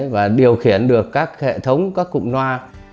và điều khiển được các hệ thống các cụm loa